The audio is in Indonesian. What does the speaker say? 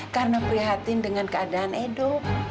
karena prihatin dengan keadaan edo